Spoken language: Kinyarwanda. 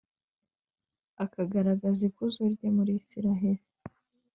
akagaragaza ikuzo rye muri israheli.